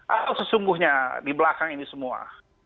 atau sesungguhnya di belakang ini semua